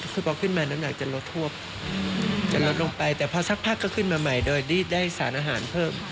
คือพอขึ้นมาน้ำหนักจะลดทวบจะลดลงไปแต่พอสักพักก็ขึ้นมาใหม่โดยที่ได้สารอาหารเพิ่ม